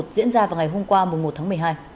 diễn ra vào ngày hôm qua một tháng một mươi hai